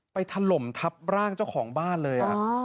ถล่มทับร่างเจ้าของบ้านเลย